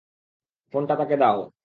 ফোনটা তাকে দাও।